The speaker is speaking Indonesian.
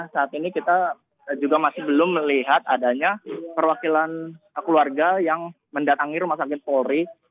saat ini kita juga masih belum melihat adanya perwakilan keluarga yang mendatangi rumah sakit polri